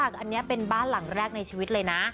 อันนี้เป็นบ้านหลังแรกในชีวิตเลยนะ